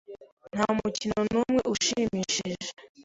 Nta mukino n'umwe ushimishije.